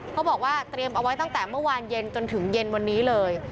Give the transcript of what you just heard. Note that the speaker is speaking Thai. เขาบอกว่าเตรียมเอาไว้ตั้งแต่เมื่อวานเย็นจนถึงเย็นวันนี้เลย